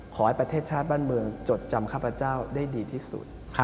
ประเทศชาติบ้านเมืองจดจำข้าพเจ้าได้ดีที่สุด